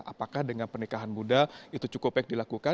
apakah dengan pernikahan muda itu cukup baik dilakukan